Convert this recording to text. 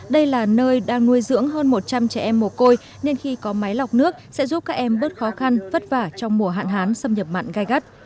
đây là nơi đang nuôi dưỡng hơn một trăm linh trẻ em mồ côi nên khi có máy lọc nước sẽ giúp các em bớt khó khăn vất vả trong mùa hạn hán xâm nhập mặn gai gắt